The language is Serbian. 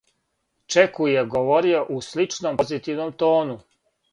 Чеку је говорио у сличном, позитивном тону.